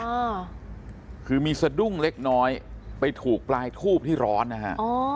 อ่าคือมีสะดุ้งเล็กน้อยไปถูกปลายทูบที่ร้อนนะฮะอ๋อ